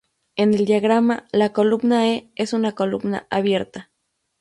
En el diagrama, la columna "e" es una columna abierta.